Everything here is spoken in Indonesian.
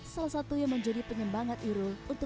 salah satu yang menjadi penyembangat ilmu